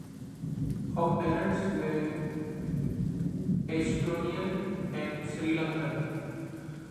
Her parents were Estonian and Sri Lankan.